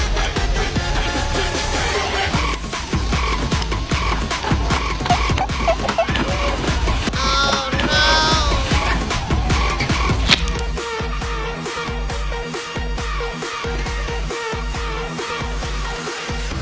กุกกูโปรดติดตามตอนต่อไป